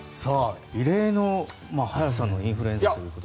異例の早さのインフルエンザということで。